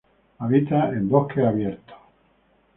Habita en bosques abiertos.